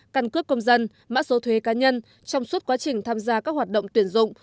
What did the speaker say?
căn cướp công dân mạng su thuế cá nhân trong suốt quá trình tham gia các hoạt động tuyển dụng